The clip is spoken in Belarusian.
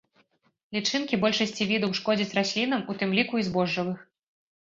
Лічынкі большасці відаў шкодзяць раслінам, у тым ліку і збожжавых.